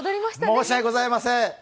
申し訳ございません。